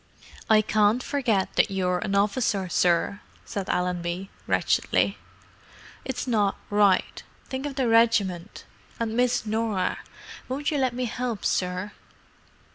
"I can't forget that you're an officer, sir," said Allenby, wretchedly. "It's not right: think of the regiment. And Miss Norah. Won't you let me 'elp sir?"